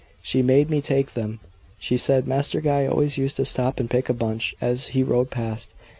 "She made me take them. She said Master Guy always used to stop and pick a bunch as he rode past.